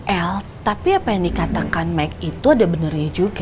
el tapi apa yang dikatakan make itu ada benarnya juga